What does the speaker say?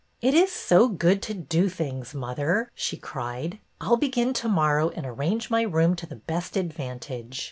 " It is so good to do things, mother," she cried. " I 'll begin to morrow and arrange my room to the best advantage.